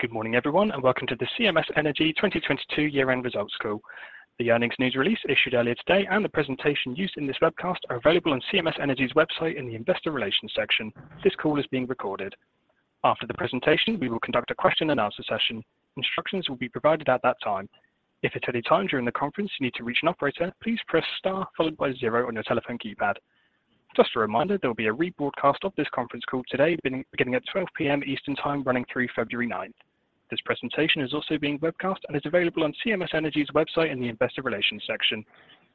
Good morning, everyone, welcome to the CMS Energy 2022 year-end results call. The earnings news release issued earlier today and the presentation used in this webcast are available on CMS Energy's website in the Investor Relations section. This call is being recorded. After the presentation, we will conduct a question-and-answer session. Instructions will be provided at that time. If at any time during the conference you need to reach an operator, please press Star followed by zero on your telephone keypad. Just a reminder, there will be a rebroadcast of this conference call today beginning at 12:00 P.M. Eastern time running through February ninth. This presentation is also being webcast and is available on CMS Energy's website in the Investor Relations section.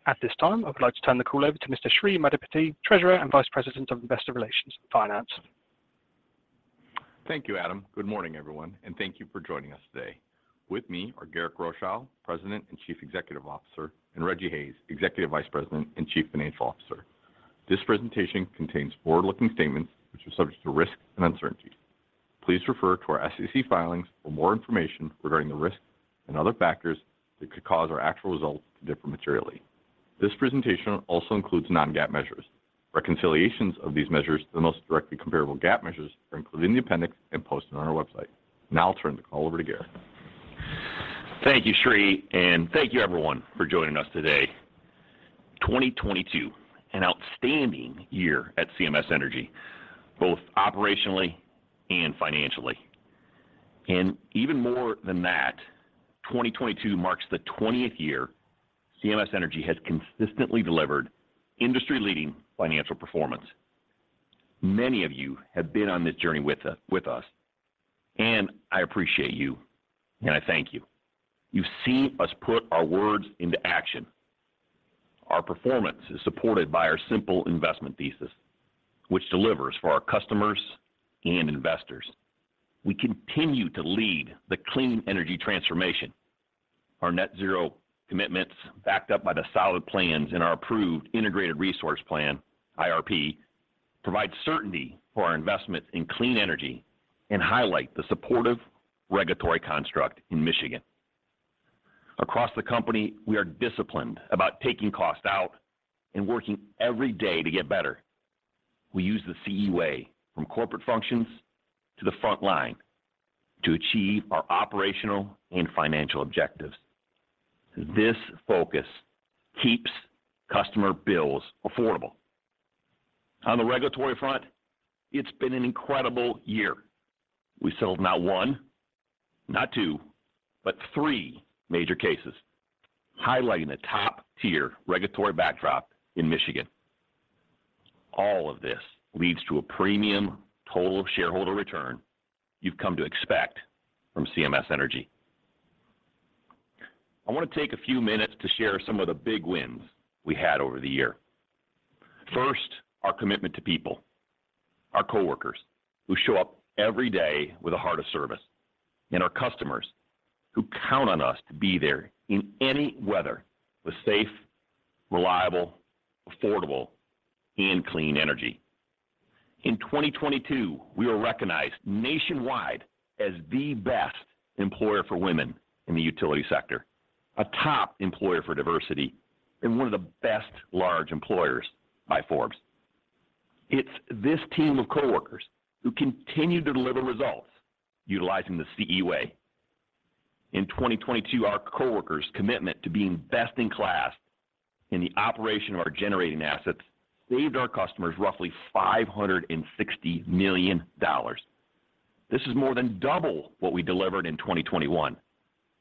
At this time, I would like to turn the call over to Mr. Sri Maddipati, Treasurer and Vice President of Investor Relations and Finance. Thank you, Adam. Good morning, everyone, and thank you for joining us today. With me are Garrick Rochow, President and Chief Executive Officer, and Rejji Hayes, Executive Vice President and Chief Financial Officer. This presentation contains forward-looking statements which are subject to risks and uncertainties. Please refer to our SEC filings for more information regarding the risks and other factors that could cause our actual results to differ materially. This presentation also includes non-GAAP measures. Reconciliations of these measures to the most directly comparable GAAP measures are included in the appendix and posted on our website. Now I'll turn the call over to Garrick. Thank you, Sri, thank you everyone for joining us today. 2022, an outstanding year at CMS Energy, both operationally and financially. Even more than that, 2022 marks the 20th year CMS Energy has consistently delivered industry-leading financial performance. Many of you have been on this journey with us, and I appreciate you and I thank you. You've seen us put our words into action. Our performance is supported by our simple investment thesis, which delivers for our customers and investors. We continue to lead the clean energy transformation. Our net zero commitments, backed up by the solid plans in our approved Integrated Resource Plan, IRP, provide certainty for our investment in clean energy and highlight the supportive regulatory construct in Michigan. Across the company, we are disciplined about taking costs out and working every day to get better. We use the CE Way from corporate functions to the front line to achieve our operational and financial objectives. This focus keeps customer bills affordable. On the regulatory front, it's been an incredible year. We settled not one, not two, but three major cases, highlighting the top-tier regulatory backdrop in Michigan. All of this leads to a premium total shareholder return you've come to expect from CMS Energy. I want to take a few minutes to share some of the big wins we had over the year. First, our commitment to people, our coworkers, who show up every day with a heart of service, and our customers who count on us to be there in any weather with safe, reliable, affordable, and clean energy. In 2022, we were recognized nationwide as the best employer for women in the utility sector, a top employer for diversity, and one of the best large employers by Forbes. It's this team of coworkers who continue to deliver results utilizing the CE Way. In 2022, our coworkers' commitment to being best in class in the operation of our generating assets saved our customers roughly $560 million. This is more than double what we delivered in 2021,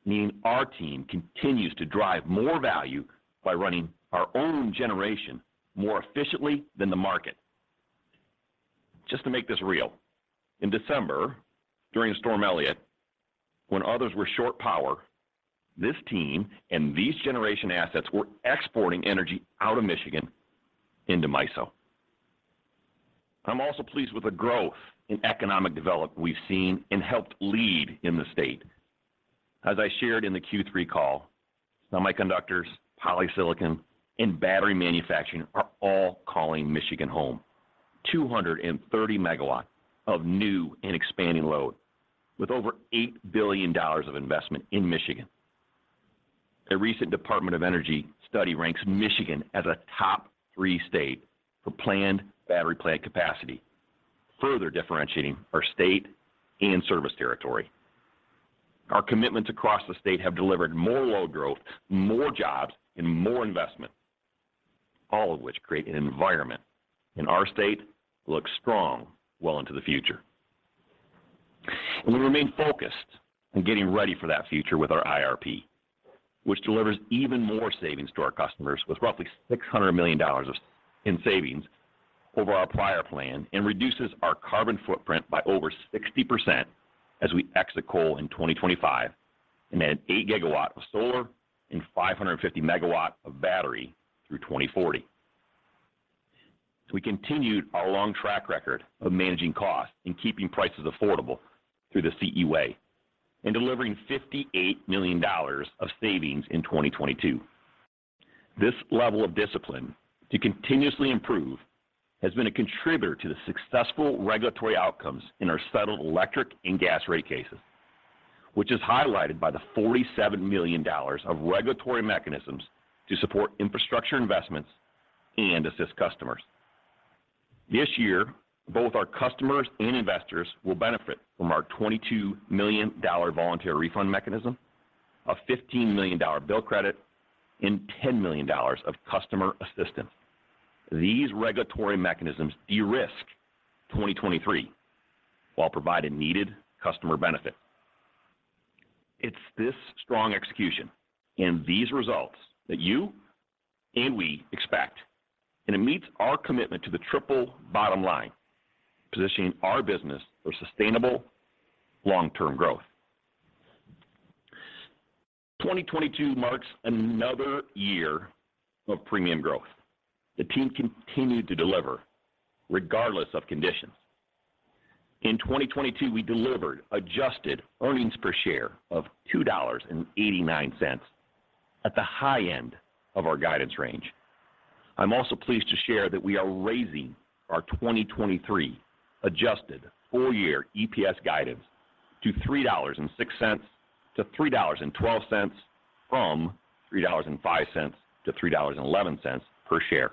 meaning our team continues to drive more value by running our own generation more efficiently than the market. Just to make this real, in December, during Winter Storm Elliott, when others were short power, this team and these generation assets were exporting energy out of Michigan into MISO. I'm also pleased with the growth in economic development we've seen and helped lead in the state. As I shared in the Q3 call, semiconductors, polysilicon, and battery manufacturing are all calling Michigan home. 230 MW of new and expanding load with over $8 billion of investment in Michigan. A recent Department of Energy study ranks Michigan as a top three state for planned battery plant capacity, further differentiating our state and service territory. Our commitments across the state have delivered more load growth, more jobs, and more investment, all of which create an environment and our state looks strong well into the future. We remain focused on getting ready for that future with our IRP, which delivers even more savings to our customers with roughly $600 million in savings over our prior plan and reduces our carbon footprint by over 60% as we exit coal in 2025 and add eight GW of solar and 550 MW of battery through 2040. We continued our long track record of managing costs and keeping prices affordable through the CE Way and delivering $58 million of savings in 2022. This level of discipline to continuously improve has been a contributor to the successful regulatory outcomes in our settled electric and gas rate cases, which is highlighted by the $47 million of regulatory mechanisms to support infrastructure investments and assist customers. This year, both our customers and investors will benefit from our $22 million Voluntary Refund Mechanism, a $15 million bill credit, and $10 million of customer assistance. These regulatory mechanisms de-risk 2023 while providing needed customer benefit. It's this strong execution and these results that you and we expect, and it meets our commitment to the triple bottom line, positioning our business for sustainable long-term growth. 2022 marks another year of premium growth. The team continued to deliver regardless of conditions. In 2022, we delivered adjusted earnings per share of $2.89 at the high end of our guidance range. I'm also pleased to share that we are raising our 2023 adjusted full-year EPS guidance to $3.06-$3.12 from $3.05-$3.11 per share.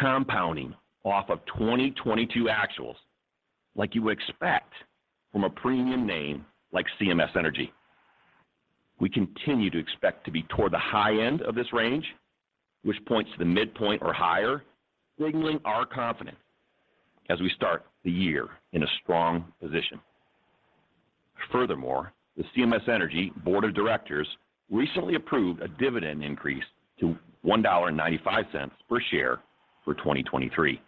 Compounding off of 2022 actuals like you would expect from a premium name like CMS Energy. We continue to expect to be toward the high end of this range, which points to the midpoint or higher, signaling our confidence as we start the year in a strong position. Furthermore, the CMS Energy Board of Directors recently approved a dividend increase to $1.95 per share for 2023.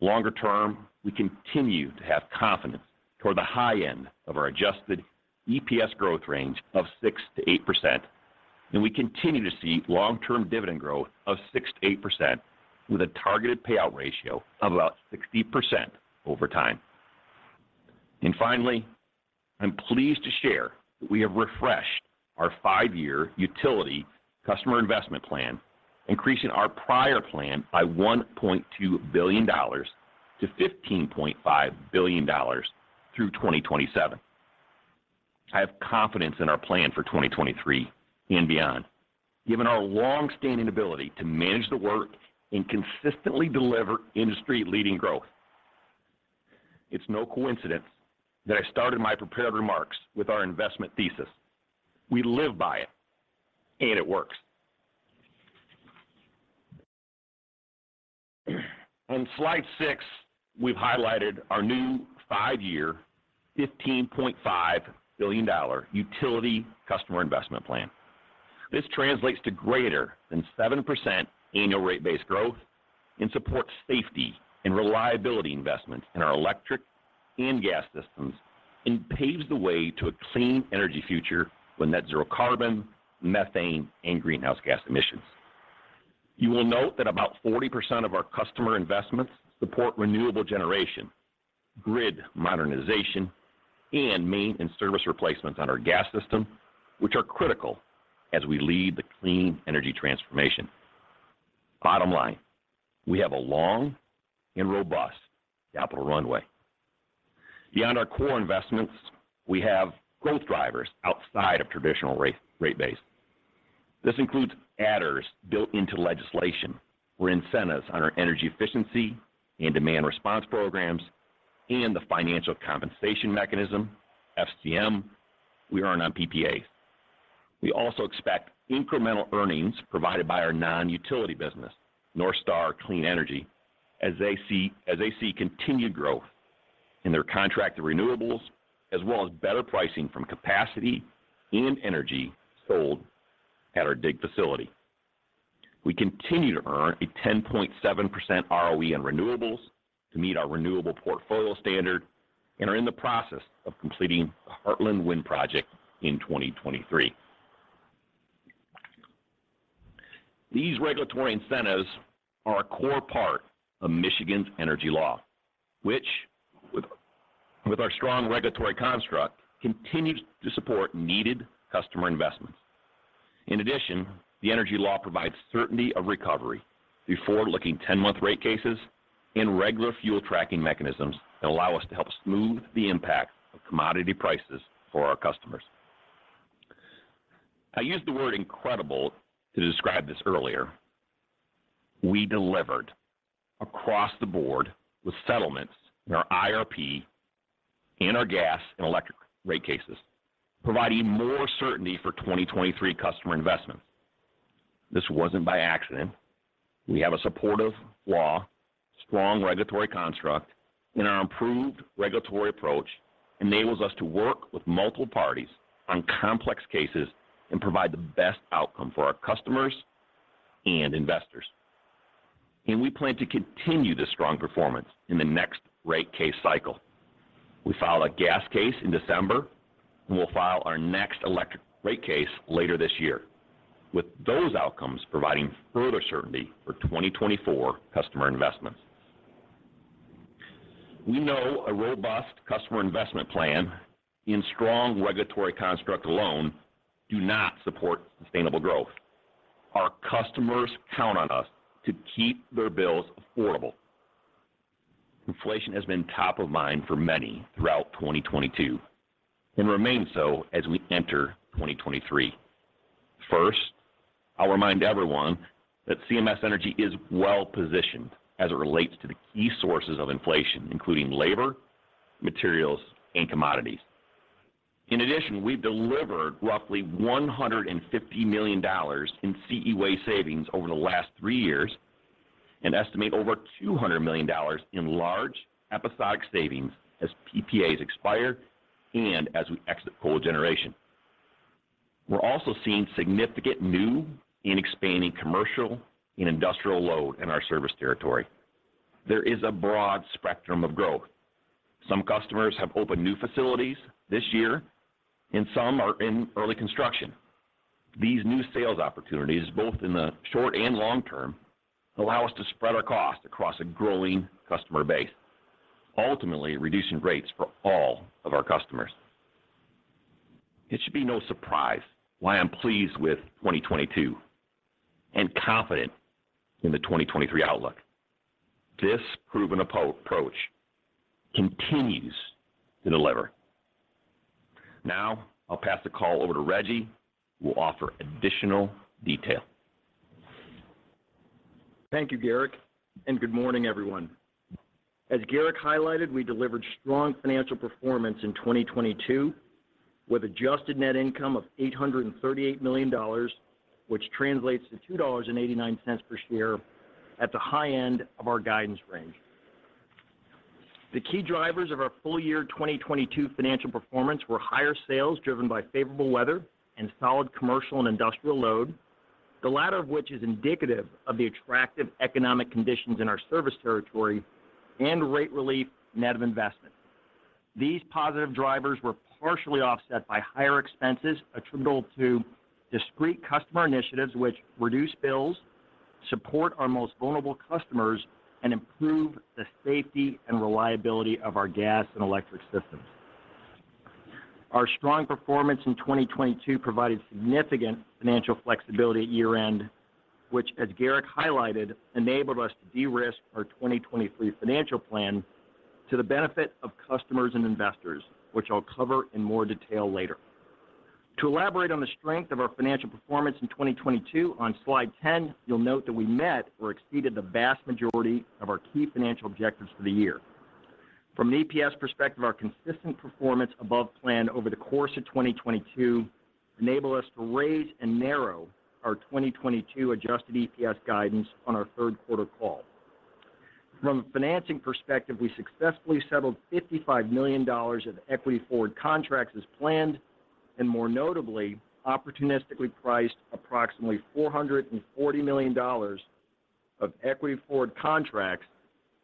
Longer term, we continue to have confidence toward the high end of our adjusted EPS growth range of 6%-8%, and we continue to see long-term dividend growth of 6%-8% with a targeted payout ratio of about 60% over time. Finally, I'm pleased to share that we have refreshed our 5-year utility customer investment plan, increasing our prior plan by $1.2 billion to $15.5 billion through 2027. I have confidence in our plan for 2023 and beyond, given our long-standing ability to manage the work and consistently deliver industry-leading growth. It's no coincidence that I started my prepared remarks with our investment thesis. We live by it, and it works. On slide 6, we've highlighted our new 5-year, $15.5 billion utility customer investment plan. This translates to greater than 7% annual rate-based growth and supports safety and reliability investments in our electric and gas systems and paves the way to a clean energy future with net zero carbon, methane, and greenhouse gas emissions. You will note that about 40% of our customer investments support renewable generation, grid modernization, and main and service replacements on our gas system, which are critical as we lead the clean energy transformation. Bottom line, we have a long and robust capital runway. Beyond our core investments, we have growth drivers outside of traditional rate base. This includes adders built into legislation for incentives on our energy efficiency and demand response programs and the financial compensation mechanism, FCM, we earn on PPAs. We also expect incremental earnings provided by our non-utility business, NorthStar Clean Energy, as they see continued growth in their contracted renewables as well as better pricing from capacity and energy sold at our DIG facility. We continue to earn a 10.7% ROE in renewables to meet our renewable portfolio standard and are in the process of completing the Heartland Wind Project in 2023. These regulatory incentives are a core part of Michigan's energy law, which with our strong regulatory construct, continues to support needed customer investments. In addition, the energy law provides certainty of recovery through forward-looking 10-month rate cases and regular fuel tracking mechanisms that allow us to help smooth the impact of commodity prices for our customers. I used the word incredible to describe this earlier. We delivered across the board with settlements in our IRP and our gas and electric rate cases, providing more certainty for 2023 customer investments. This wasn't by accident. We have a supportive law, strong regulatory construct, and our improved regulatory approach enables us to work with multiple parties on complex cases and provide the best outcome for our customers and investors. We plan to continue this strong performance in the next rate case cycle. We filed a gas case in December, and we'll file our next electric rate case later this year, with those outcomes providing further certainty for 2024 customer investments. We know a robust customer investment plan and strong regulatory construct alone do not support sustainable growth. Our customers count on us to keep their bills affordable. Inflation has been top of mind for many throughout 2022 and remains so as we enter 2023. I'll remind everyone that CMS Energy is well-positioned as it relates to the key sources of inflation, including labor, materials, and commodities. We've delivered roughly $150 million in CE Way savings over the last three years and estimate over $200 million in large episodic savings as PPAs expire and as we exit coal generation. We're also seeing significant new and expanding commercial and industrial load in our service territory. There is a broad spectrum of growth. Some customers have opened new facilities this year, and some are in early construction. These new sales opportunities, both in the short and long term, allow us to spread our costs across a growing customer base, ultimately reducing rates for all of our customers. It should be no surprise why I'm pleased with 2022 and confident in the 2023 outlook. This proven approach continues to deliver. Now, I'll pass the call over to Rejji, who will offer additional detail. Thank you, Garrick, good morning, everyone. As Garrick highlighted, we delivered strong financial performance in 2022, with adjusted net income of $838 million, which translates to $2.89 per share at the high end of our guidance range. The key drivers of our full year 2022 financial performance were higher sales driven by favorable weather and solid commercial and industrial load, the latter of which is indicative of the attractive economic conditions in our service territory and rate relief net of investment. These positive drivers were partially offset by higher expenses attributable to discrete customer initiatives which reduce bills, support our most vulnerable customers, and improve the safety and reliability of our gas and electric systems. Our strong performance in 2022 provided significant financial flexibility at year-end, which, as Garrick highlighted, enabled us to de-risk our 2023 financial plan to the benefit of customers and investors, which I'll cover in more detail later. To elaborate on the strength of our financial performance in 2022, on slide 10, you'll note that we met or exceeded the vast majority of our key financial objectives for the year. From an EPS perspective, our consistent performance above plan over the course of 2022 enabled us to raise and narrow our 2022 adjusted EPS guidance on our third quarter call. From a financing perspective, we successfully settled $55 million of equity forward contracts as planned. More notably, opportunistically priced approximately $440 million of equity forward contracts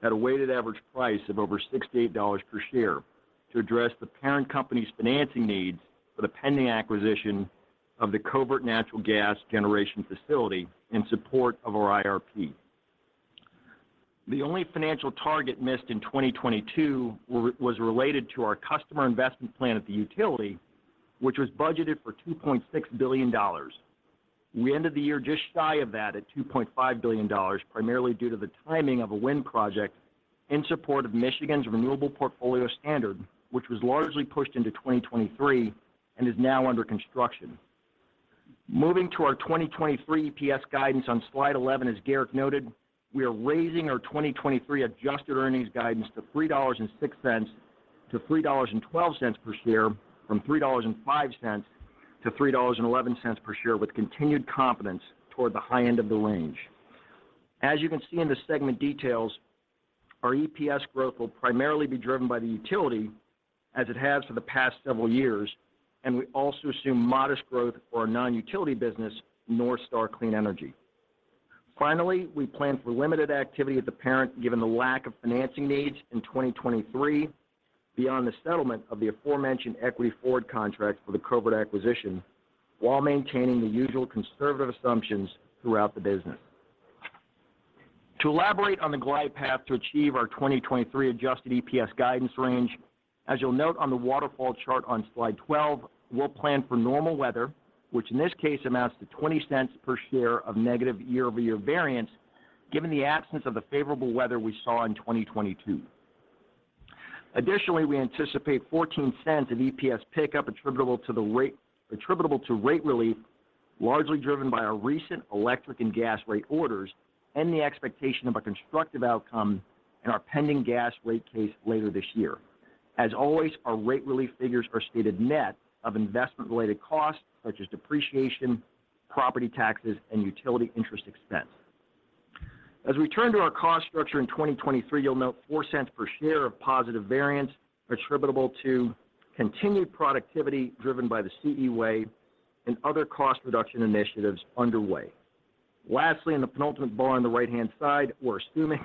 at a weighted average price of over $68 per share to address the parent company's financing needs for the pending acquisition of the Covert Generating Station in support of our IRP. The only financial target missed in 2022 was related to our customer investment plan at the utility, which was budgeted for $2.6 billion. We ended the year just shy of that at $2.5 billion, primarily due to the timing of a wind project in support of Michigan's Renewable Portfolio Standard, which was largely pushed into 2023 and is now under construction. Moving to our 2023 EPS guidance on Slide 11, as Garrick noted, we are raising our 2023 adjusted earnings guidance to $3.06-$3.12 per share from $3.05-$3.11 per share with continued confidence toward the high end of the range. As you can see in the segment details, our EPS growth will primarily be driven by the utility as it has for the past several years. We also assume modest growth for our non-utility business, NorthStar Clean Energy. Finally, we plan for limited activity at the parent, given the lack of financing needs in 2023 beyond the settlement of the aforementioned equity forward contract for the Covert acquisition, while maintaining the usual conservative assumptions throughout the business. To elaborate on the glide path to achieve our 2023 adjusted EPS guidance range, as you'll note on the waterfall chart on slide 12, we'll plan for normal weather, which in this case amounts to $0.20 per share of negative year-over-year variance, given the absence of the favorable weather we saw in 2022. Additionally, we anticipate $0.14 of EPS pickup attributable to rate relief, largely driven by our recent electric and gas rate orders and the expectation of a constructive outcome in our pending gas rate case later this year. As always, our rate relief figures are stated net of investment-related costs such as depreciation, property taxes, and utility interest expense. As we turn to our cost structure in 2023, you'll note $0.04 per share of positive variance attributable to continued productivity driven by the CE Way and other cost reduction initiatives underway. Lastly, in the penultimate bar on the right-hand side, we're assuming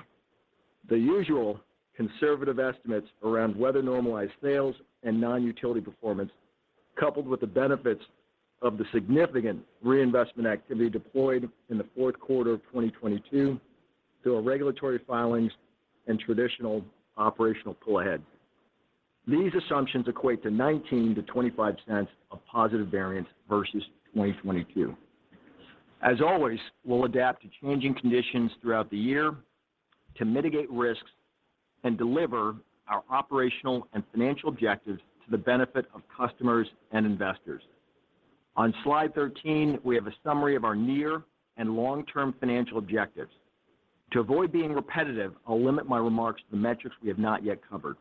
the usual conservative estimates around weather normalized sales and non-utility performance, coupled with the benefits of the significant reinvestment activity deployed in the fourth quarter of 2022 through our regulatory filings and traditional operational pull-ahead. These assumptions equate to $0.19-$0.25 of positive variance versus 2022. As always, we'll adapt to changing conditions throughout the year to mitigate risks and deliver our operational and financial objectives to the benefit of customers and investors. On slide 13, we have a summary of our near and long-term financial objectives. To avoid being repetitive, I'll limit my remarks to the metrics we have not yet covered.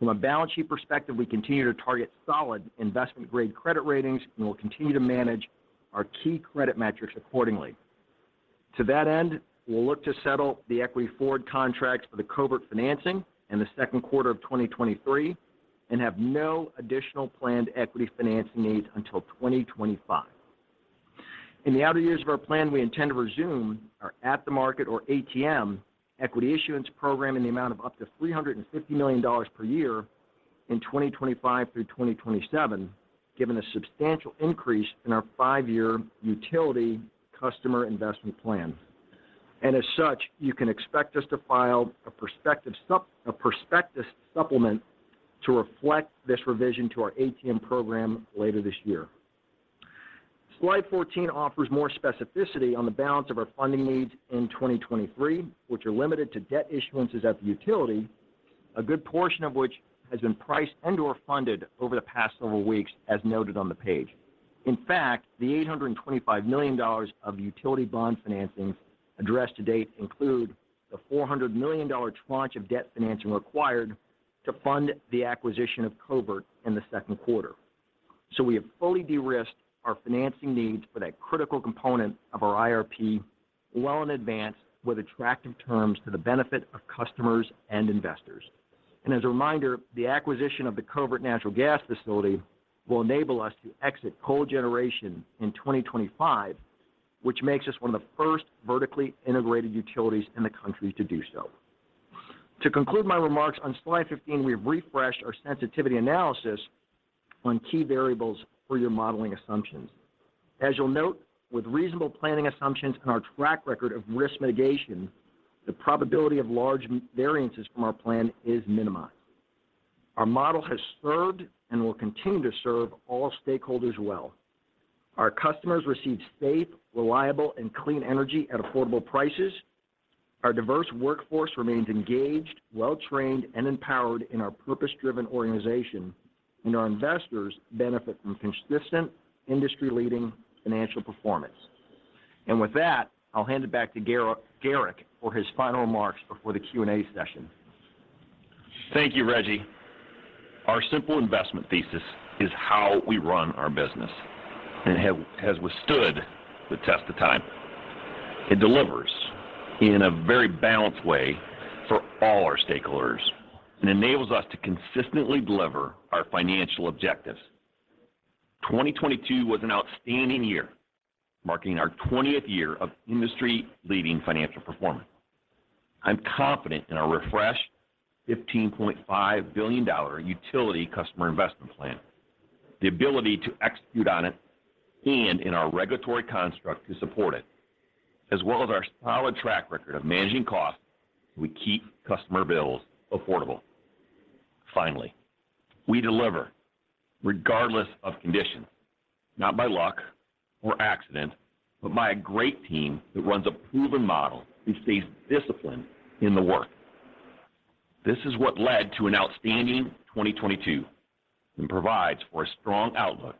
From a balance sheet perspective, we continue to target solid investment-grade credit ratings, and we'll continue to manage our key credit metrics accordingly. To that end, we'll look to settle the equity forward contracts for the Covert financing in the second quarter of 2023 and have no additional planned equity financing needs until 2025. In the outer years of our plan, we intend to resume our at-the-market or ATM equity issuance program in the amount of up to $350 million per year in 2025 through 2027, given a substantial increase in our five-year utility customer investment plan. As such, you can expect us to file a prospectus supplement to reflect this revision to our ATM program later this year. Slide 14 offers more specificity on the balance of our funding needs in 2023, which are limited to debt issuances at the utility, a good portion of which has been priced and/or funded over the past several weeks, as noted on the page. In fact, the $825 million of utility bond financings addressed to date include the $400 million tranche of debt financing required to fund the acquisition of Covert in the second quarter. We have fully de-risked our financing needs for that critical component of our IRP well in advance with attractive terms to the benefit of customers and investors. As a reminder, the acquisition of the Covert Natural Gas facility will enable us to exit coal generation in 2025, which makes us one of the first vertically integrated utilities in the country to do so. To conclude my remarks on slide 15, we've refreshed our sensitivity analysis on key variables for your modeling assumptions. As you'll note, with reasonable planning assumptions and our track record of risk mitigation, the probability of large v-variances from our plan is minimized. Our model has served and will continue to serve all stakeholders well. Our customers receive safe, reliable, and clean energy at affordable prices. Our diverse workforce remains engaged, well-trained, and empowered in our purpose-driven organization. Our investors benefit from consistent industry-leading financial performance. With that, I'll hand it back to Garrick for his final remarks before the Q&A session. Thank you, Rejji. Our simple investment thesis is how we run our business and has withstood the test of time. It delivers in a very balanced way for all our stakeholders and enables us to consistently deliver our financial objectives. 2022 was an outstanding year, marking our 20th year of industry-leading financial performance. I'm confident in our refreshed $15.5 billion utility customer investment plan, the ability to execute on it, and in our regulatory construct to support it, as well as our solid track record of managing costs as we keep customer bills affordable. Finally, we deliver regardless of conditions, not by luck or accident, but by a great team that runs a proven model and stays disciplined in the work. This is what led to an outstanding 2022 and provides for a strong outlook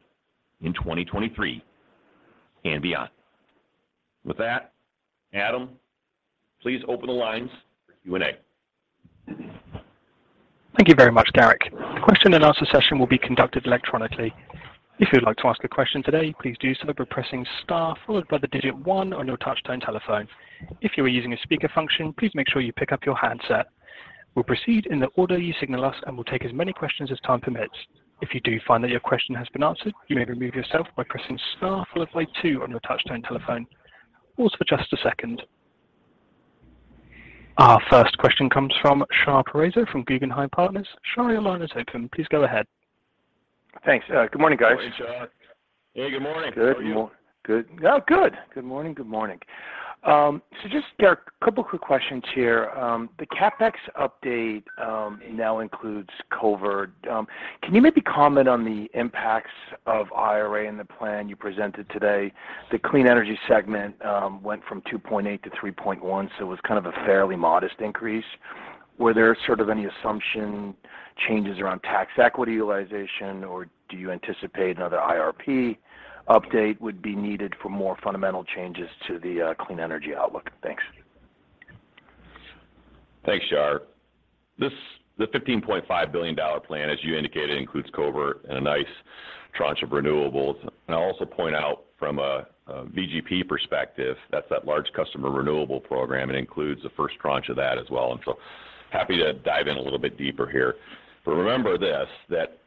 in 2023 and beyond. With that, Adam, please open the lines for Q&A. Thank you very much, Garrick. The question and answer session will be conducted electronically. If you'd like to ask a question today, please do so by pressing star followed by the digit one on your touch tone telephone. If you are using a speaker function, please make sure you pick up your handset. We'll proceed in the order you signal us, and we'll take as many questions as time permits. If you do find that your question has been answered, you may remove yourself by pressing star followed by two on your touch tone telephone. One second. Our first question comes from Shahriar Pourreza from Guggenheim Partners. Shar, your line is open. Please go ahead. Thanks. Good morning, guys. Good morning, Shar. Hey, good morning. How are you? Good morning. Just, Garrick, a couple of quick questions here. The CapEx update now includes Covert. Can you maybe comment on the impacts of IRA and the plan you presented today? The clean energy segment went from 2.8 to 3.1, so it was kind of a fairly modest increase. Were there sort of any assumption changes around tax equity utilization, or do you anticipate another IRP update would be needed for more fundamental changes to the clean energy outlook? Thanks. Thanks, Shar. The $15.5 billion plan, as you indicated, includes Covert and a nice tranche of renewables. I'll also point out from a VGP perspective, that's that large customer renewable program. It includes the first tranche of that as well. Happy to dive in a little bit deeper here. Remember this, that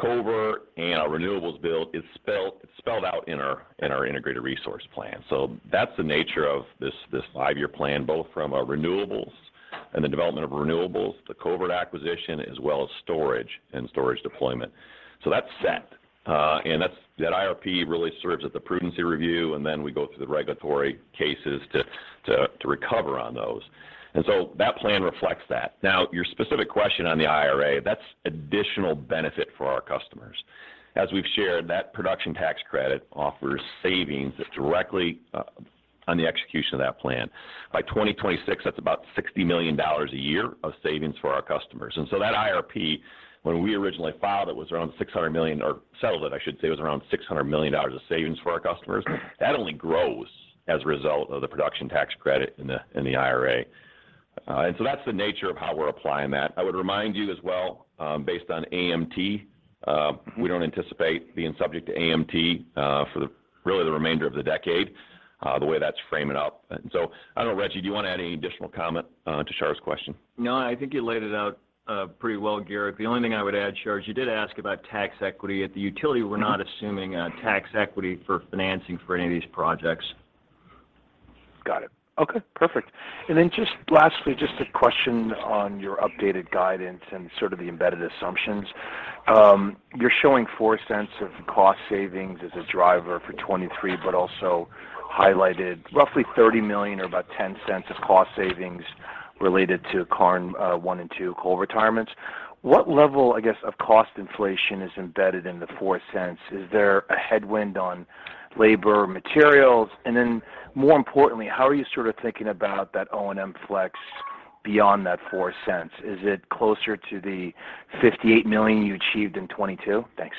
Covert and our renewables build is spelled out in our integrated resource plan. That's the nature of this 5-year plan, both from a renewables and the development of renewables, the Covert acquisition, as well as storage and storage deployment. That's set. That IRP really serves as the prudency review, and then we go through the regulatory cases to recover on those. That plan reflects that. Your specific question on the IRA, that's additional benefit for our customers. As we've shared, that production tax credit offers savings that's directly on the execution of that plan. By 2026, that's about $60 million a year of savings for our customers. That IRP, when we originally filed, it was around $600 million, or settled it I should say, it was around $600 million of savings for our customers. That only grows as a result of the production tax credit in the IRA. That's the nature of how we're applying that. I would remind you as well, based on AMT, we don't anticipate being subject to AMT for the, really the remainder of the decade, the way that's framing up. I don't know, Rejji, do you want to add any additional comment, to Shar's question? No, I think you laid it out pretty well, Garrick. The only thing I would add, Shar, is you did ask about tax equity. At the utility- Mm-hmm We're not assuming tax equity for financing for any of these projects. Got it. Okay, perfect. Just lastly, just a question on your updated guidance and sort of the embedded assumptions. You're showing $0.04 of cost savings as a driver for 2023, but also highlighted roughly $30 million or about $0.10 of cost savings related to Karn one and two coal retirements. What level, I guess, of cost inflation is embedded in the $0.04? Is there a headwind on labor materials? More importantly, how are you sort of thinking about that O&M flex beyond that $0.04? Is it closer to the $58 million you achieved in 2022? Thanks.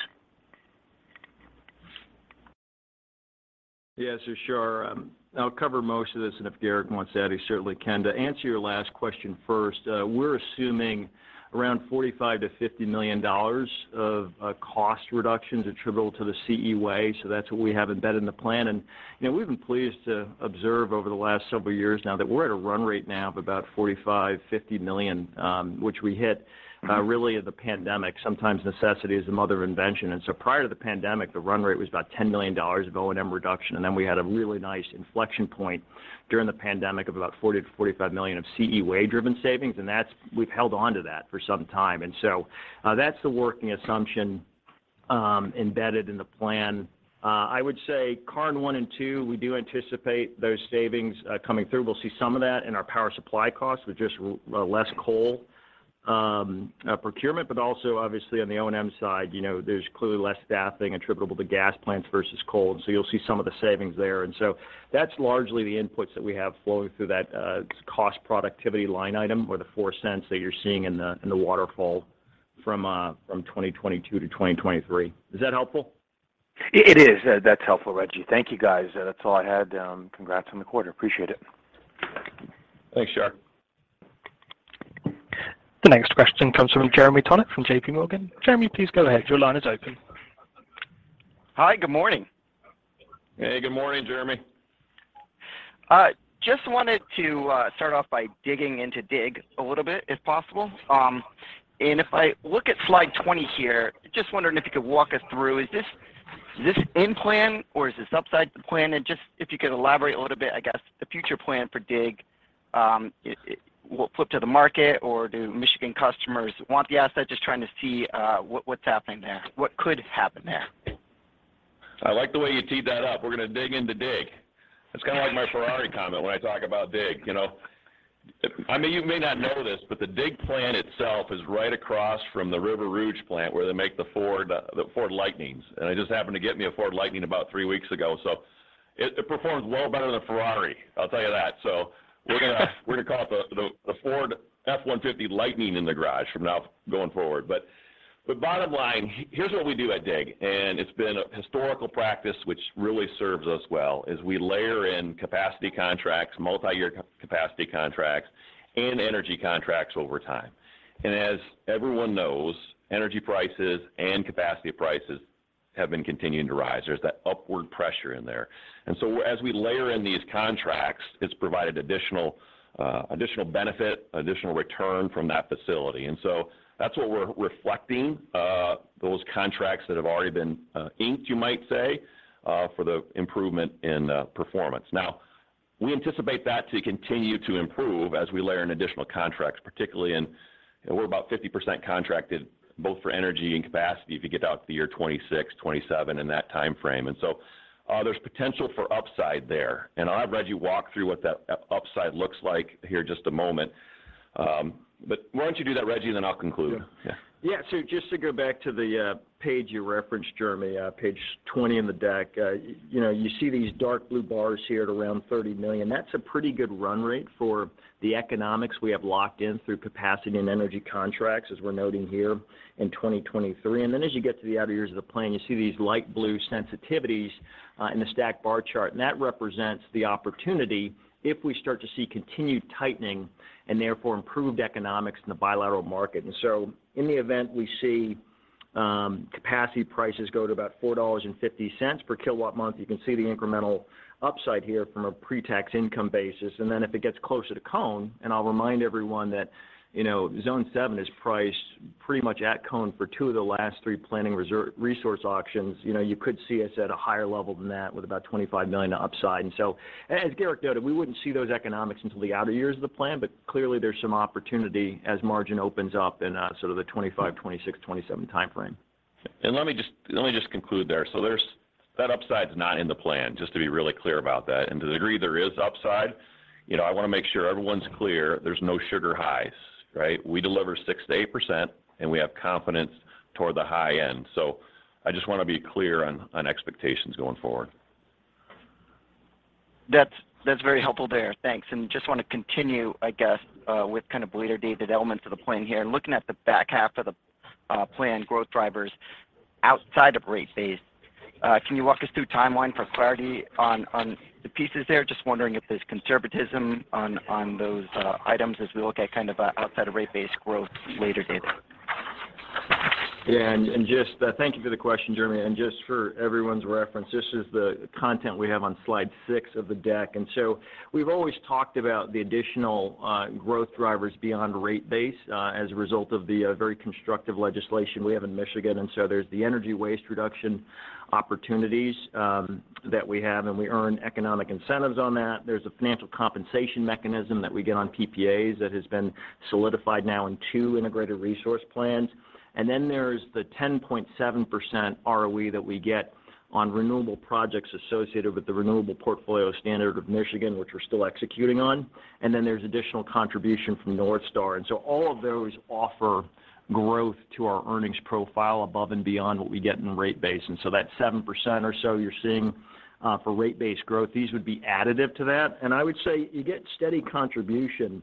Yeah. Shar, I'll cover most of this, and if Garrick wants to add, he certainly can. To answer your last question first, we're assuming around $45 million-$50 million of cost reductions attributable to the CE Way, that's what we have embedded in the plan. You know, we've been pleased to observe over the last several years now that we're at a run rate now of about $45 million-$50 million, which we hit really at the pandemic. Sometimes necessity is the mother of invention. Prior to the pandemic, the run rate was about $10 million of O&M reduction. We had a really nice inflection point during the pandemic of about $40 million-$45 million of CE Way-driven savings. We've held onto that for some time. That's the working assumption embedded in the plan. I would say Karn one and two, we do anticipate those savings coming through. We'll see some of that in our power supply costs with just less coal procurement, but also obviously on the O&M side. You know, there's clearly less staffing attributable to gas plants versus coal, you'll see some of the savings there. That's largely the inputs that we have flowing through that cost productivity line item or the $0.04 that you're seeing in the waterfall from 2022 to 2023. Is that helpful? It is. That's helpful, Rejji. Thank you, guys. That's all I had. Congrats on the quarter. Appreciate it. Thanks, Shar. The next question comes from Jeremy Tonet from JPMorgan. Jeremy, please go ahead. Your line is open. Hi. Good morning. Hey, good morning, Jeremy. I just wanted to start off by digging into DIG a little bit, if possible. If I look at slide 20 here, just wondering if you could walk us through, is this, is this in plan or is this upside the plan? Just if you could elaborate a little bit, I guess, the future plan for DIG. Will it flip to the market or do Michigan customers want the asset? Just trying to see what's happening there. What could happen there? I like the way you teed that up. We're gonna dig into DIG. It's kind of like my Ferrari comment when I talk about DIG, you know. I mean, you may not know this, but the DIG plant itself is right across from the River Rouge plant where they make the Ford, the Ford Lightnings, and I just happened to get me a Ford Lightning about three weeks ago, so it performs a little better than a Ferrari, I'll tell you that. We're gonna call it the Ford F-150 Lightning in the garage from now going forward. Bottom line, here's what we do at DIG, and it's been a historical practice which really serves us well, is we layer in capacity contracts, multi-year capacity contracts and energy contracts over time. As everyone knows, energy prices and capacity prices have been continuing to rise. There's that upward pressure in there. As we layer in these contracts, it's provided additional benefit, additional return from that facility. That's what we're reflecting, those contracts that have already been, inked, you might say, for the improvement in performance. Now, we anticipate that to continue to improve as we layer in additional contracts, particularly in... We're about 50% contracted both for energy and capacity if you get out to the year 2026-2027 in that timeframe. There's potential for upside there. I'll have Rejji walk through what that upside looks like here in just a moment. Why don't you do that, Rejji, then I'll conclude. Yeah. Yeah. Yeah. Just to go back to the page you referenced, Jeremy, page 20 in the deck. You know, you see these dark blue bars here at around $30 million. That's a pretty good run rate for the economics we have locked in through capacity and energy contracts, as we're noting here in 2023. As you get to the outer years of the plan, you see these light blue sensitivities in the stacked bar chart, that represents the opportunity if we start to see continued tightening and therefore improved economics in the bilateral market. In the event we see capacity prices go to about $4.50 per kilowatt month, you can see the incremental upside here from a pre-tax income basis. If it gets closer to CONE, I'll remind everyone that, you know, Zone 7 in is priced pretty much at CONE for two of the last three planning resource auctions. You know, you could see us at a higher level than that with about $25 million upside. As Garrick noted, we wouldn't see those economics until the outer years of the plan, but clearly there's some opportunity as margin opens up in sort of the 2025, 2026, 2027 timeframe. Let me just conclude there. That upside is not in the plan, just to be really clear about that. To the degree there is upside, you know, I want to make sure everyone's clear there's no sugar highs, right? We deliver 6%-8% and we have confidence toward the high end. I just want to be clear on expectations going forward. That's very helpful there. Thanks. Just want to continue, I guess, with kind of later-dated elements of the plan here. Looking at the back half of the plan growth drivers outside of rate base, can you walk us through timeline for clarity on the pieces there? Just wondering if there's conservatism on those items as we look at kind of outside of rate base growth later, David. Thank you for the question, Jeremy. Just for everyone's reference, this is the content we have on slide six of the deck. We've always talked about the additional growth drivers beyond rate base as a result of the very constructive legislation we have in Michigan. There's the energy waste reduction opportunities that we have, and we earn economic incentives on that. There's a financial compensation mechanism that we get on PPAs that has been solidified now in two integrated resource plans. Then there's the 10.7% ROE that we get on renewable projects associated with the renewable portfolio standard of Michigan, which we're still executing on. Then there's additional contribution from NorthStar. All of those offer growth to our earnings profile above and beyond what we get in rate base. That 7% or so you're seeing for rate base growth, these would be additive to that. I would say you get steady contribution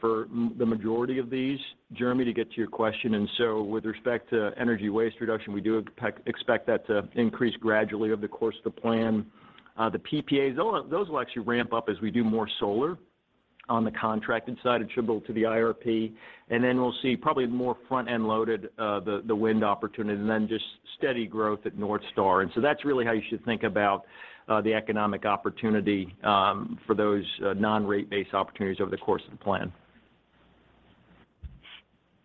for the majority of these. Jeremy, to get to your question. With respect to energy waste reduction, we do expect that to increase gradually over the course of the plan. The PPAs, those will actually ramp up as we do more solar on the contracted side attributable to the IRP. Then we'll see probably more front-end loaded the wind opportunity and then just steady growth at NorthStar. That's really how you should think about the economic opportunity for those non-rate base opportunities over the course of the plan.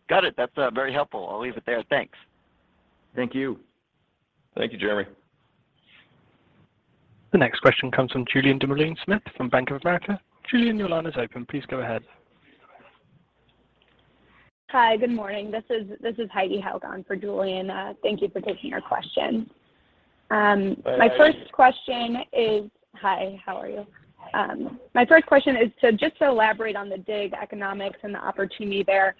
Got it. That's very helpful. I'll leave it there. Thanks. Thank you. Thank you, Jeremy. The next question comes from Julien Dumoulin-Smith from Bank of America. Julien, your line is open. Please go ahead. Hi. Good morning. This is Heidi Halgon for Julian. Thank you for taking our question. Hi. Hi, how are you? My first question is just to elaborate on the DIG economics and the opportunity there.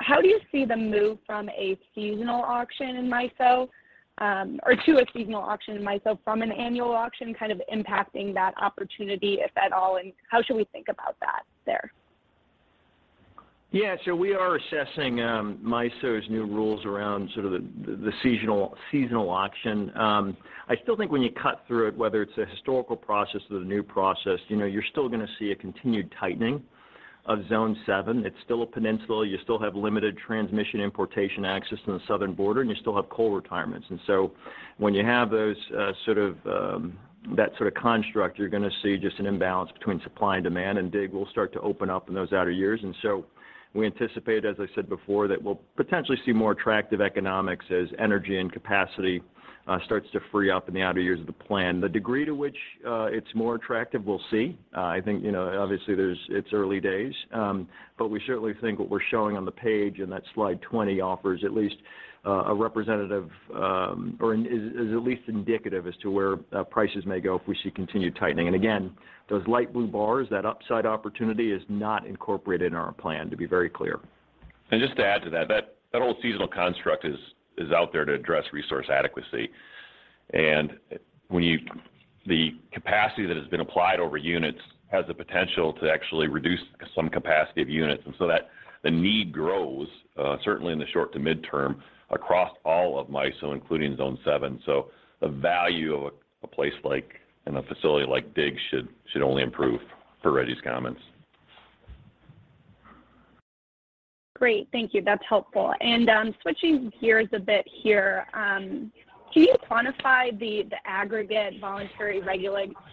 How do you see the move from a seasonal auction in MISO, or to a seasonal auction in MISO from an annual auction kind of impacting that opportunity, if at all? How should we think about that there? We are assessing MISO's new rules around sort of the seasonal auction. I still think when you cut through it, whether it's a historical process or the new process, you know, you're still gonna see a continued tightening of Zone 7. It's still a peninsula. You still have limited transmission importation access to the southern border, and you still have coal retirements. When you have those, that sort of construct, you're gonna see just an imbalance between supply and demand, and DIG will start to open up in those outer years. We anticipate, as I said before, that we'll potentially see more attractive economics as energy and capacity starts to free up in the outer years of the plan. The degree to which it's more attractive, we'll see. I think, you know, obviously it's early days. We certainly think what we're showing on the page in that slide 20 offers at least a representative, or is at least indicative as to where prices may go if we see continued tightening. Again, those light blue bars, that upside opportunity is not incorporated in our plan, to be very clear. Just to add to that whole seasonal construct is out there to address resource adequacy. When the capacity that has been applied over units has the potential to actually reduce some capacity of units. So the need grows certainly in the short to midterm across all of MISO, including Zone 7. The value of a place like and a facility like DIG should only improve per Rejji's comments. Great. Thank you. That's helpful. And, switching gears a bit here. Can you quantify the aggregate voluntary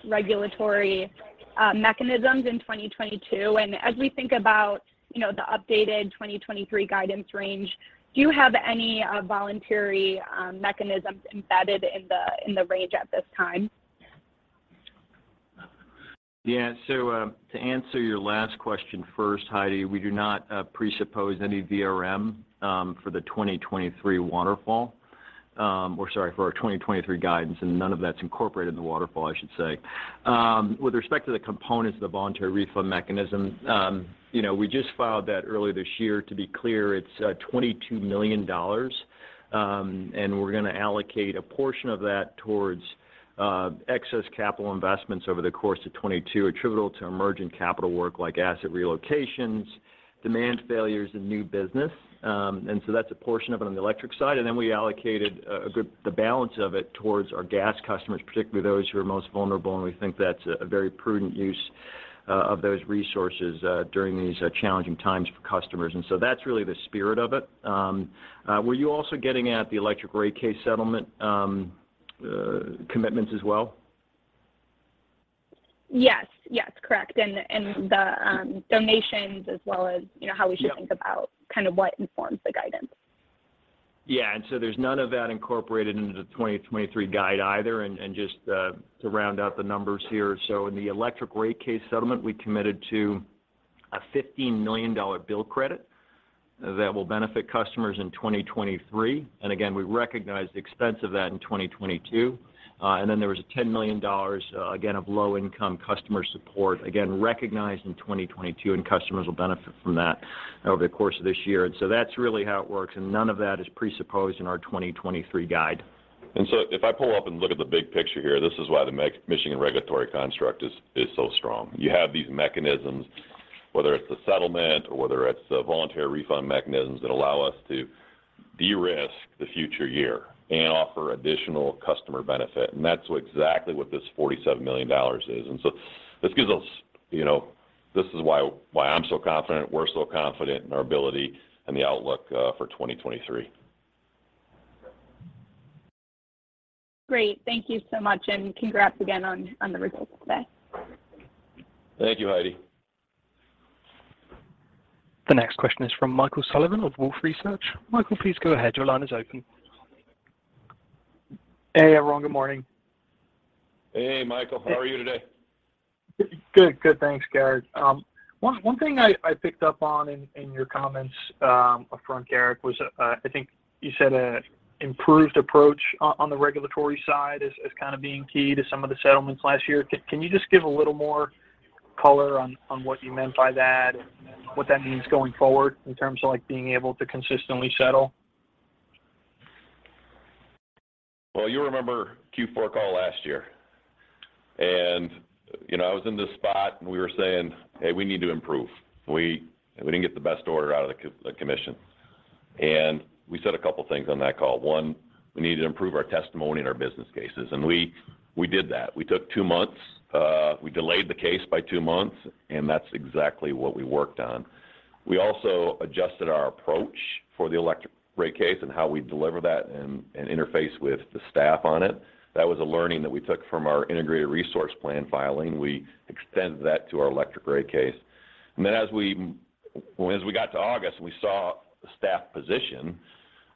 regulatory mechanisms in 2022? And as we think about, you know, the updated 2023 guidance range, do you have any voluntary mechanisms embedded in the range at this time? Yeah. To answer your last question first, Heidi, we do not presuppose any VRM for the 2023 waterfall. Sorry, for our 2023 guidance, none of that's incorporated in the waterfall, I should say. With respect to the components of the Voluntary Refund Mechanism, you know, we just filed that earlier this year. To be clear, it's $22 million. We're gonna allocate a portion of that towards excess capital investments over the course of 2022 attributable to emerging capital work like asset relocations, demand failures and new business. That's a portion of it on the electric side. We allocated the balance of it towards our gas customers, particularly those who are most vulnerable, and we think that's a very prudent use, of those resources, during these challenging times for customers. That's really the spirit of it. Were you also getting at the electric rate case settlement, commitments as well? Yes. Yes, correct. The donations as well as, you know... Yeah. How we should think about kind of what informs the guidance? Yeah. There's none of that incorporated into the 2023 guide either. Just to round out the numbers here. In the electric rate case settlement, we committed to a $15 million bill credit that will benefit customers in 2023. Again, we recognize the expense of that in 2022. Then there was a $10 million, again, of low-income customer support, again, recognized in 2022, and customers will benefit from that over the course of this year. That's really how it works, and none of that is presupposed in our 2023 guide. If I pull up and look at the big picture here, this is why the Michigan regulatory construct is so strong. You have these mechanisms, whether it's the settlement or whether it's the Voluntary Refund Mechanisms that allow us to de-risk the future year and offer additional customer benefit. That's exactly what this $47 million is. This gives us, you know, this is why I'm so confident, we're so confident in our ability and the outlook for 2023. Great. Thank you so much, and congrats again on the results today. Thank you, Heidi. The next question is from Michael Sullivan of Wolfe Research. Michael, please go ahead. Your line is open. Hey, everyone. Good morning. Hey, Michael. How are you today? Good. Thanks, Garrick. One thing I picked up on in your comments up front, Garrick, was I think you said a improved approach on the regulatory side as kind of being key to some of the settlements last year. Can you just give a little more color on what you meant by that and what that means going forward in terms of, like, being able to consistently settle? Well, you remember Q4 call last year. you know, I was in this spot, and we were saying, "Hey, we need to improve. We didn't get the best order out of the commission." we said a couple things on that call. One, we need to improve our testimony and our business cases. we did that. We took two months. we delayed the case by two months, and that's exactly what we worked on. We also adjusted our approach for the electric rate case and how we deliver that and interface with the staff on it. That was a learning that we took from our integrated resource plan filing. We extended that to our electric rate case. As we got to August and we saw the staff position,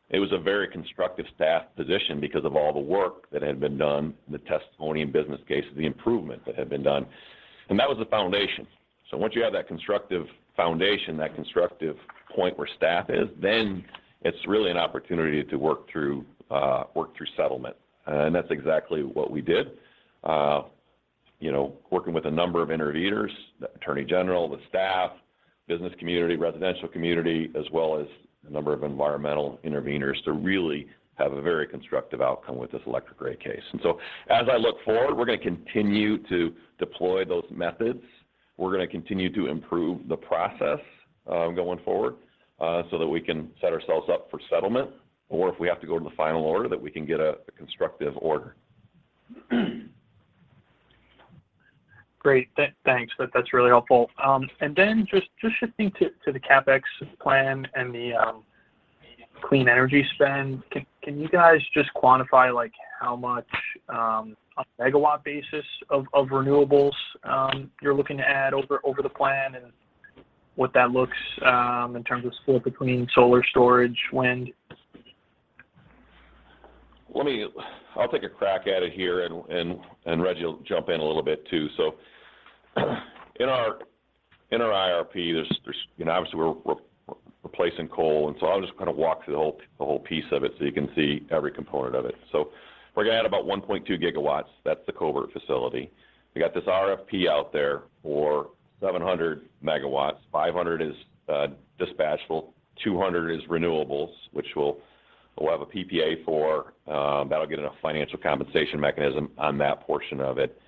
it was a very constructive staff position because of all the work that had been done, the testimony and business case, the improvement that had been done. That was the foundation. Once you have that constructive foundation, that constructive point where staff is, then it's really an opportunity to work through settlement. That's exactly what we did. You know, working with a number of interveners, the attorney general, the staff, business community, residential community, as well as a number of environmental interveners to really have a very constructive outcome with this electric rate case. As I look forward, we're gonna continue to deploy those methods. We're gonna continue to improve the process, going forward, so that we can set ourselves up for settlement, or if we have to go to the final order, that we can get a constructive order. Great. Thanks. That's really helpful. Then just shifting to the CapEx plan and the clean energy spend. Can you guys just quantify, like, how much on a megawatt basis of renewables you're looking to add over the plan and what that looks in terms of split between solar storage, wind? I'll take a crack at it here and Rejji will jump in a little bit too. In our IRP, there's, you know, obviously we're replacing coal, I'll just kind of walk through the whole piece of it so you can see every component of it. We're gonna add about 1.2 gigawatts. That's the Covert Generating Station. We got this RFP out there for 700 megawatts. 500 is dispatchable, 200 is renewables, which we'll have a PPA for, that'll get enough financial compensation mechanism on that portion of it.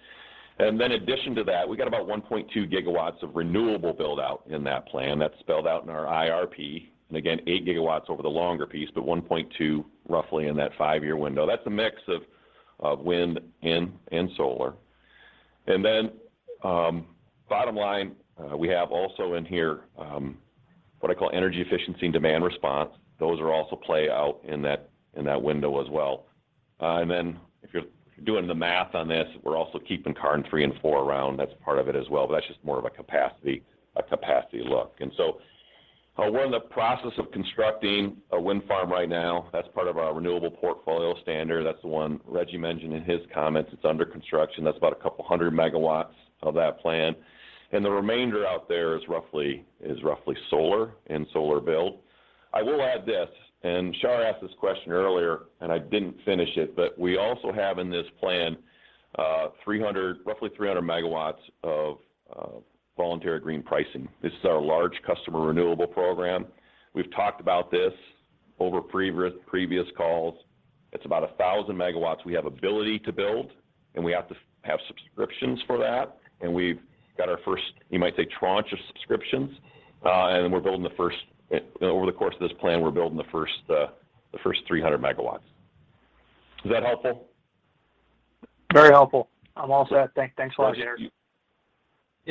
Addition to that, we got about 1.2 gigawatts of renewable build-out in that plan. That's spelled out in our IRP. 8 gigawatts over the longer piece, but 1.2 roughly in that 5-year window. That's a mix of wind and solar. Bottom line, we have also in here what I call energy efficiency and demand response. Those are also play out in that window as well. If you're doing the math on this, we're also keeping around. That's part of it as well. That's just more of a capacity look. We're in the process of constructing a wind farm right now. That's part of our Renewable Portfolio Standard. That's the one Rejji mentioned in his comments. It's under construction. That's about 200 megawatts of that plan. The remainder out there is roughly solar and solar build. I will add this. Char asked this question earlier, and I didn't finish it. We also have in this plan, roughly 300 MW of Voluntary Green Pricing. This is our large customer renewable program. We've talked about this over previous calls. It's about 1,000 MW we have ability to build, and we have to have subscriptions for that, and we've got our first, you might say, tranche of subscriptions. We're building the first. Over the course of this plan, we're building the first 300 MW. Is that helpful? Very helpful. I'm all set. Thanks a lot, guys.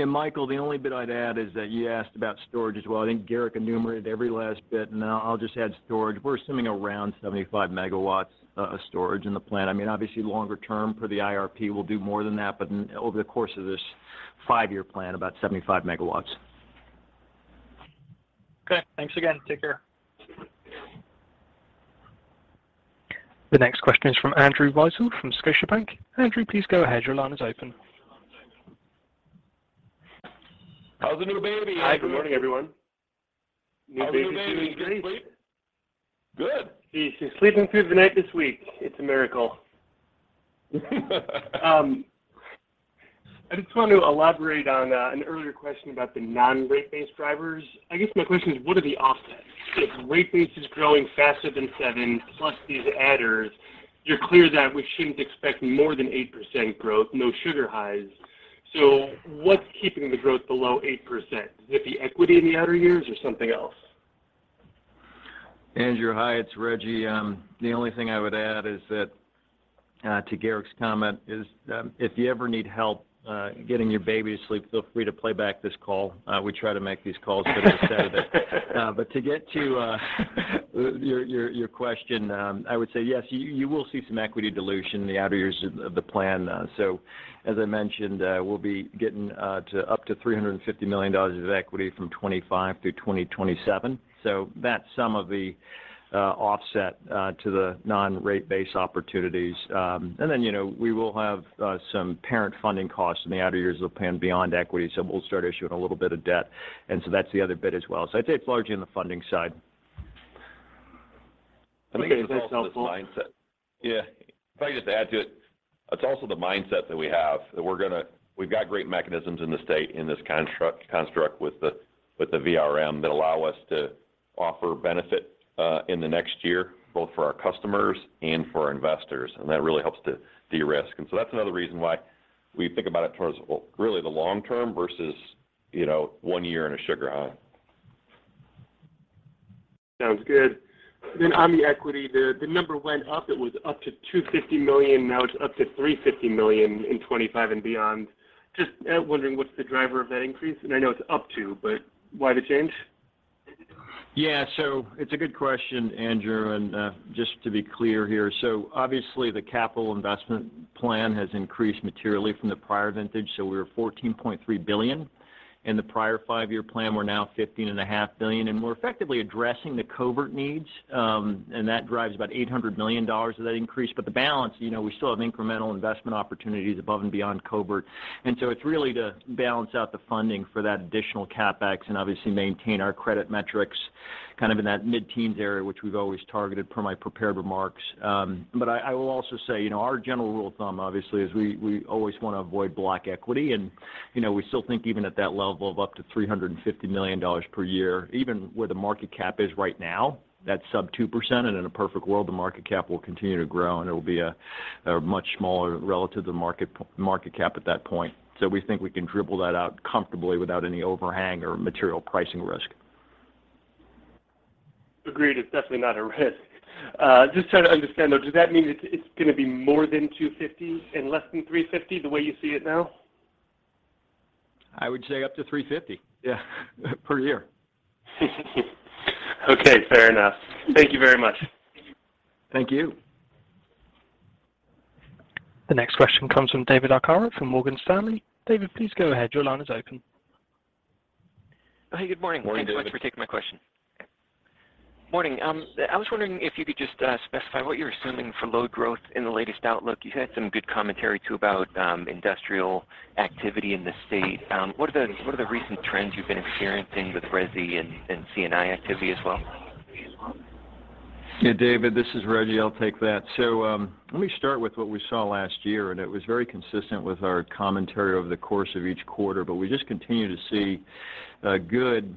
Michael, the only bit I'd add is that you asked about storage as well. I think Garrick enumerated every last bit, I'll just add storage. We're assuming around 75 megawatts of storage in the plan. I mean, obviously longer term for the IRP, we'll do more than that, but over the course of this five year plan, about 75 megawatts. Okay. Thanks again. Take care. The next question is from Andrew Weisel from Scotiabank. Andrew, please go ahead. Your line is open. How's the new baby, Andrew? Hi, good morning, everyone. How's the new baby? New baby's doing great. Getting sleep? Good. She's sleeping through the night this week. It's a miracle. I just wanted to elaborate on an earlier question about the non-rate base drivers. I guess my question is, what are the offsets? If rate base is growing faster than 7 plus these adders, you're clear that we shouldn't expect more than 8% growth, no sugar highs. What's keeping the growth below 8%? Is it the equity in the outer years or something else? Andrew, hi, it's Rejji. The only thing I would add is that to Garrick's comment is if you ever need help getting your baby to sleep, feel free to play back this call. We try to make these calls for the sake of it. To get to your question, I would say yes, you will see some equity dilution in the outer years of the plan. As I mentioned, we'll be getting to up to $350 million of equity from 2025 through 2027. That's some of the offset to the non-rate base opportunities. You know, we will have some parent funding costs in the outer years of the plan beyond equity. We'll start issuing a little bit of debt, and so that's the other bit as well. I'd say it's largely on the funding side. I think it's also this mindset. Okay. Yeah. If I could just add to it. It's also the mindset that we have. We've got great mechanisms in the state in this construct with the VRM that allow us to offer benefit in the next year, both for our customers and for our investors. That really helps to de-risk. That's another reason why we think about it towards, well, really the long term versus, you know, one year in a sugar high. Sounds good. On the equity, the number went up. It was up to $250 million, now it's up to $350 million in 2025 and beyond. Just wondering what's the driver of that increase? I know it's up to, but why the change? Yeah. It's a good question, Andrew, and just to be clear here. Obviously the capital investment plan has increased materially from the prior vintage. We were $14.3 billion in the prior 5-year plan, we're now $15.5 billion. We're effectively addressing the Covert needs, and that drives about $800 million of that increase. The balance, you know, we still have incremental investment opportunities above and beyond Covert. It's really to balance out the funding for that additional CapEx and obviously maintain our credit metrics kind of in that mid-teens area, which we've always targeted, per my prepared remarks. I will also say, you know, our general rule of thumb obviously is we always wanna avoid block equity. You know, we still think even at that level of up to $350 million per year, even where the market cap is right now, that's sub 2%, and in a perfect world, the market cap will continue to grow and it will be a much smaller relative to market cap at that point. We think we can dribble that out comfortably without any overhang or material pricing risk. Agreed, it's definitely not a risk. just trying to understand though, does that mean it's gonna be more than $250 and less than $350 the way you see it now? I would say up to $350, yeah, per year. Okay, fair enough. Thank you very much. Thank you. The next question comes from David Arcaro from Morgan Stanley. David, please go ahead. Your line is open. Oh, hey, good morning. Morning, David. Thanks so much for taking my question. Morning. I was wondering if you could just specify what you're assuming for load growth in the latest outlook. You had some good commentary too about industrial activity in the state. What are the recent trends you've been experiencing with resi and C&I activity as well? Yeah, David, this is Rejji. I'll take that. Let me start with what we saw last year, and it was very consistent with our commentary over the course of each quarter, but we just continue to see good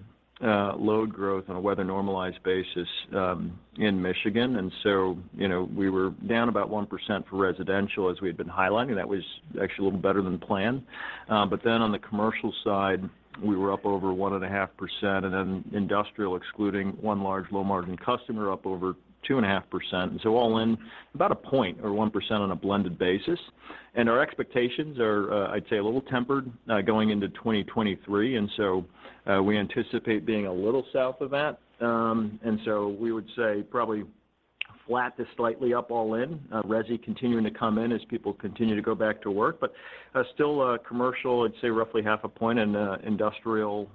load growth on a weather-normalized basis in Michigan. You know, we were down about 1% for residential as we had been highlighting. That was actually a little better than planned. On the commercial side, we were up over 1.5%, and then industrial, excluding one large low-margin customer, up over 2.5%. All in about a point or 1% on a blended basis. Our expectations are, I'd say a little tempered, going into 2023, and so we anticipate being a little south of that. We would say probably flat to slightly up all in. Resi continuing to come in as people continue to go back to work. Still, commercial, I'd say roughly 0.5% and industrial,